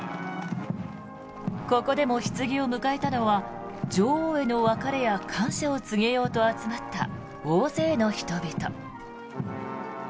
ここでも女王のひつぎを迎えたのは女王の別れや感謝を告げようと集まった大勢の人々。